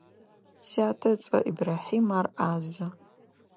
Сятэ ыцӏэр Ибрахьим, ар ӏазэ.